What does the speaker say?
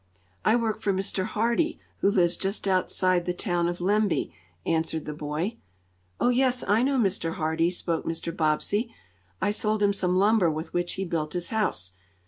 "I work for Mr. Hardee, who lives just outside the town of Lemby," answered the boy. "Oh, yes, I know Mr. Hardee," spoke Mr. Bobbsey. "I sold him some lumber with which he built his house.